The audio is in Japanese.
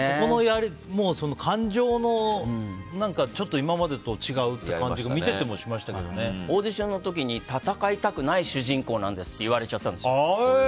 感情のちょっと今までとは違う感じがオーディションの時に戦いたくない主人公なんですって言われちゃったんです。